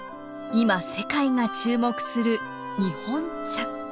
今世界が注目する日本茶。